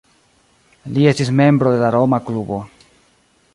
Li estis membro de la Roma Klubo.